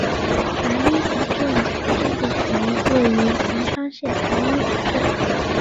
白衣古镇古建筑群位于平昌县白衣古镇。